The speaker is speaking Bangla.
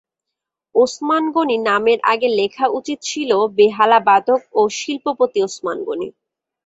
ওসমান গনি নামের আগে লেখা উচিত ছিল, বেহালাবাদক এবং শিল্পপতি ওসমান গনি।